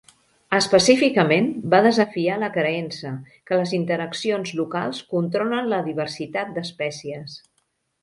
Específicament, va desafiar la creença que les interaccions locals controlen la diversitat d’espècies.